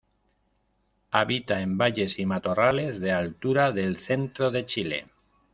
Habita en valles y matorrales de altura del centro de Chile.